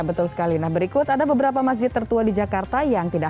betul sekali nah berikut ada beberapa masjid tertua di jakarta yang tidak